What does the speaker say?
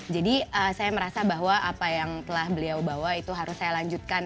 jadi saya merasa bahwa apa yang telah beliau bawa itu harus saya lanjutkan